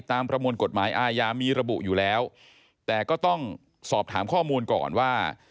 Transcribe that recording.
ประมวลกฎหมายอาญามีระบุอยู่แล้วแต่ก็ต้องสอบถามข้อมูลก่อนว่า